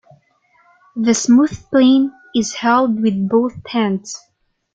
The smooth plane is held with both hands.